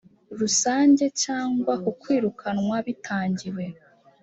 rusange cyangwa ku kwirukanwa bitangiwe